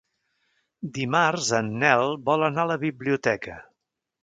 Dimarts en Nel vol anar a la biblioteca.